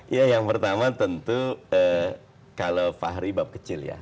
ya yang pertama tentu kalau fahri bab kecil ya